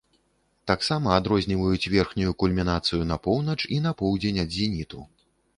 Таксама, адрозніваюць верхнюю кульмінацыю на поўнач і на поўдзень ад зеніту.